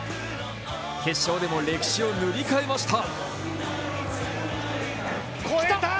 決勝でも歴史を塗り替えました。